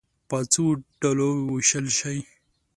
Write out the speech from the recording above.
په څو ډلو وویشل شئ.